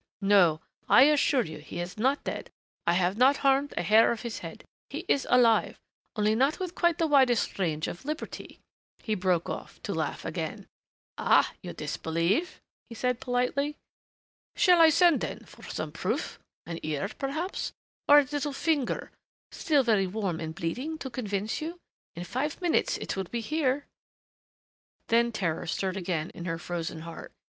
"No, I assure you he is not dead I have not harmed a hair of his head. He is alive only not with quite the widest range of liberty " He broke off to laugh again. "Ah, you disbelieve?" he said politely. "Shall I send, then, for some proof an ear, perhaps, or a little finger, still very warm and bleeding, to convince you?... In five minutes it will be here." Then terror stirred again in her frozen heart.